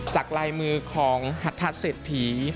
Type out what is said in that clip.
ลายมือของหัทธาเศรษฐี